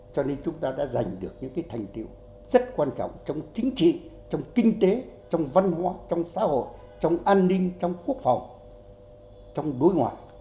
cho nên chúng ta đã giành được những thành tiệu rất quan trọng trong chính trị trong kinh tế trong văn hóa trong xã hội trong an ninh trong quốc phòng trong đối ngoại